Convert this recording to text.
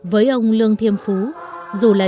với ông lương thiêm phú dù là